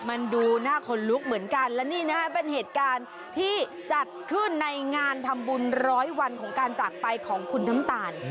มันดูหน้าคนลุกเหมือนกันและนี่นะฮะเป็นเหตุการณ์ที่จัดขึ้นในงานทำบุญร้อยวันของการจากไปของคุณน้ำตาล